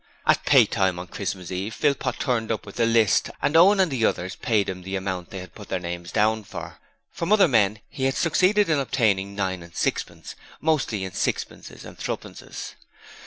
At pay time on Christmas Eve Philpot turned up with the list and Owen and the others paid him the amounts they had put their names down for. From other men he had succeeded in obtaining nine and sixpence, mostly in sixpences and threepences.